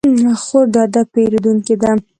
خور د ادب پېرودونکې ده.